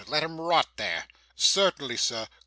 Let him rot there.' 'Certainly, sir.